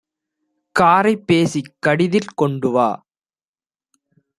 காரைப் பேசிக் கடிதில் கொண்டுவா.